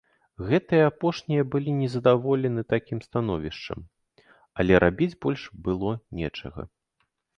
Гэтыя апошнія былі незадаволены такім становішчам, але рабіць больш было нечага.